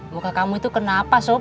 buka kamu itu kenapa sop